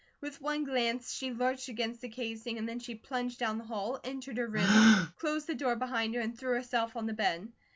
With one glance she lurched against the casing and then she plunged down the hall, entered her room, closed the door behind her, and threw herself on the bed.